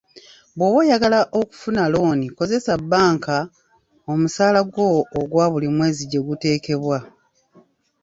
Bw'oba oyagala okufuna looni kozesa bbanka omusaalagwo ogwa buli mwezi gye guteekebwa.